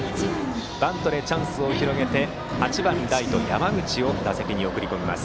バントでチャンスを広げて８番ライト、山口を打席に送り込みます。